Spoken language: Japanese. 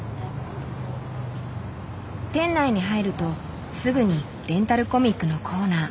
店内に入るとすぐにレンタルコミックのコーナー。